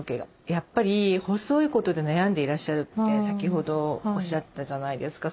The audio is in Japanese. やっぱり細いことで悩んでいらっしゃるって先ほどおっしゃってたじゃないですか。